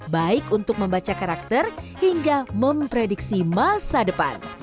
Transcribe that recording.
baik untuk membaca karakter hingga memprediksi masa depan